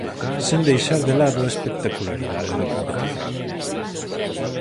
Sen deixar de lado a espectacularidade da competición.